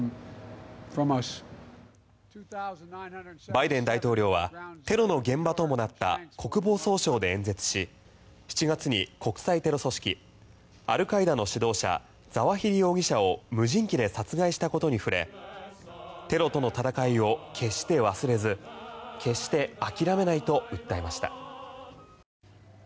バイデン大統領はテロの現場ともなった国防総省で演説し７月に国際テロ組織アルカイダの指導者ザワヒリ容疑者を無人機で殺害したことに触れテロとの戦いを決して忘れず決して諦めないと訴えました。